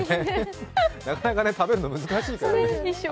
なかなか食べるの難しいからね。